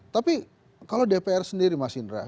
tapi kalau dpr sendiri mas indra